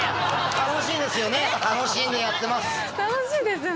楽しいですよね